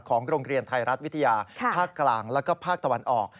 ของโรงเรียนไทยรัฐวิทยาภาคกลางและภาคตวรรคออก